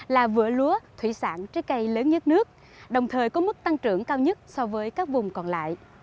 là vữa lúa thủy sản trái cây lớn nhất nước đồng thời có mức tăng trưởng cao nhất so với các vùng còn lại